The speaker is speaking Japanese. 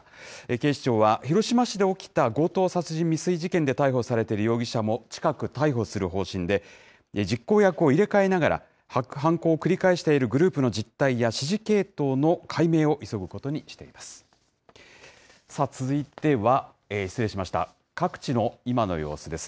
警視庁は広島市で起きた強盗殺人未遂事件で逮捕されている容疑者も、近く逮捕する方針で、実行役を入れ替えながら、犯行を繰り返しているグループの実態や、指示系統の解明を急ぐことにしています。